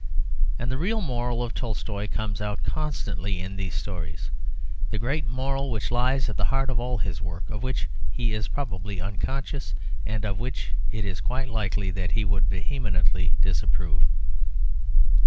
And the real moral of Tolstoy comes out constantly in these stories, the great moral which lies at the heart of all his work, of which he is probably unconscious, and of which it is quite likely that he would vehemently disapprove.